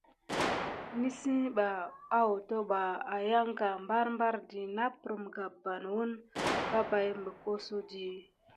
Nisiba hotaba ayangane barbardi naprime gaban wune vapay mikesodi.